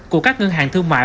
của các ngân hàng thương mại